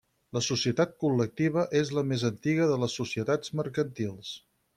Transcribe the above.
La societat col·lectiva és la més antiga de les societats mercantils.